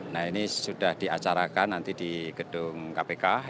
nah ini sudah diacarakan nanti di gedung kpk